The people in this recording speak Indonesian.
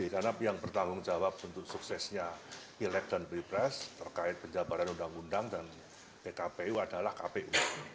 karena yang bertanggung jawab untuk suksesnya pilek dan pripres terkait penjabaran undang undang dan bkpu adalah kpu